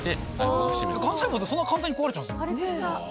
ガン細胞ってそんな簡単に壊れちゃうんですね。